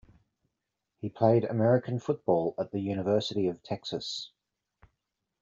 He played American football at the University of Texas.